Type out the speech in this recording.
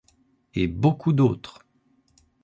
Et beaucoup d'autres...